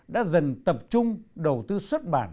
đã dần tập trung đầu tư xuất bản